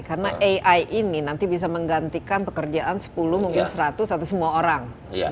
karena ai ini nanti bisa menggantikan pekerjaan sepuluh mungkin seratus satu semua orang